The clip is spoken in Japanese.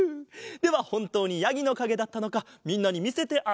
ではほんとうにやぎのかげだったのかみんなにみせてあげよう。